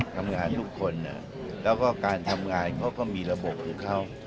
ทำงานทุกคนแล้วก็การทำงานเขาก็มีระบบของเขา